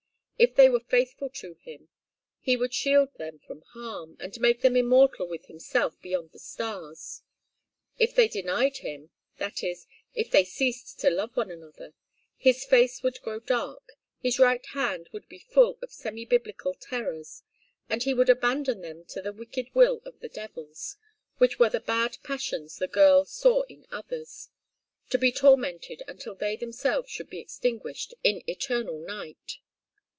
If they were faithful to him, he would shield them from harm, and make them immortal with himself beyond the stars. If they denied him that is, if they ceased to love one another his face would grow dark, his right hand would be full of semi biblical terrors, and he would abandon them to the wicked will of the devils, which were the bad passions the girl saw in others, to be tormented until they themselves should be extinguished in eternal night.